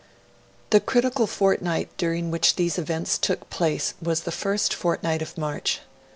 The critical fortnight during which these events took place was the first fortnight of March.